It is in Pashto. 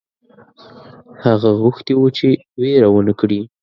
هغه غوښتي وه چې وېره ونه کړي.